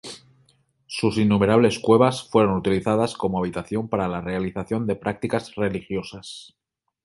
Sus innumerables cuevas fueron utilizadas como habitación para la realización de prácticas religiosas.